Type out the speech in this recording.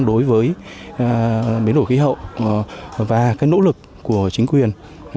đối với biến đổi khí hậu và nỗ lực của chính quyền